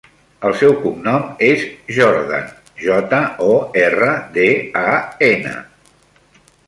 El seu cognom és Jordan: jota, o, erra, de, a, ena.